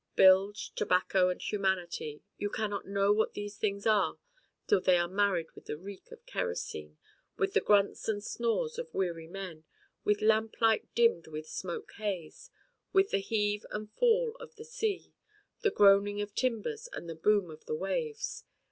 Bilge, tobacco and humanity, you cannot know what these things are till they are married with the reek of kerosene, with the grunts and snores of weary men, with lamplight dimmed with smoke haze; with the heave and fall of the sea; the groaning of timbers and the boom of the waves.